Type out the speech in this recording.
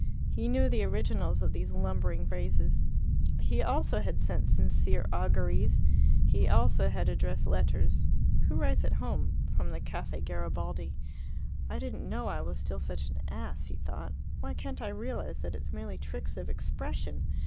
He knew the originals of these lumbering phrases; he also had sent "sincere auguries"; he also had addressed letters who writes at home? from the Caffe Garibaldi. "I didn't know I was still such an ass," he thought. "Why can't I realize that it's merely tricks of expression?